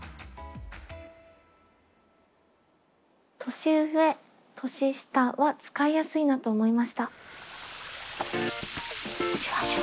「年上」「年下」は使いやすいなと思いました。